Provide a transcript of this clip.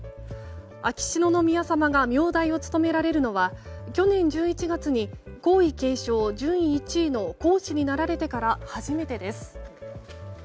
秋篠宮さまが名代を務められるのは去年１１月に皇位継承順位１位の皇嗣になられてから初めてです。